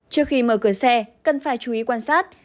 trước khi mở cửa xe cần phải chú ý quan sát